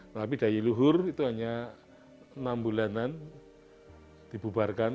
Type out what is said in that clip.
tapi dayi luhur itu hanya enam bulanan dibubarkan